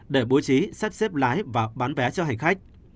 để bố trí sắp xếp lái và bán vé cho hành khách